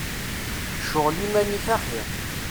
Cɣel iman-ik axir.